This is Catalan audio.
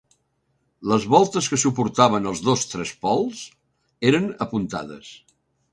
Les voltes que suportaven els dos trespols eren apuntades.